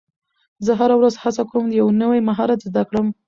زه هره ورځ هڅه کوم یو نوی مهارت زده کړم